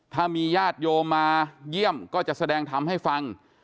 ถ้ามีญาติโยมมาเยี่ยมก็จะแสดงธรรมให้ฟัง